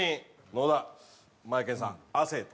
野田マエケンさん亜生と。